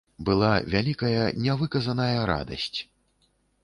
Была вялікая, нявыказаная радасць.